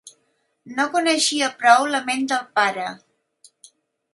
No coneixia prou la ment del pare.